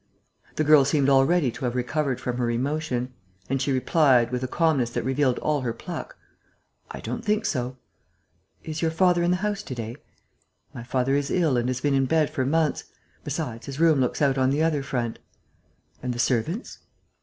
The girl seemed already to have recovered from her emotion; and she replied, with a calmness that revealed all her pluck: "I don't think so." "Is your father in the house to day?" "My father is ill and has been in bed for months. Besides, his room looks out on the other front." "And the servants?"